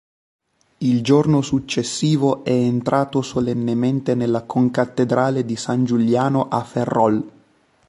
Il giorno successivo è entrato solennemente nella concattedrale di San Giuliano a Ferrol.